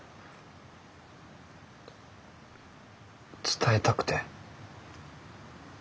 伝えたくて。